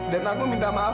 dan aku minta maaf mel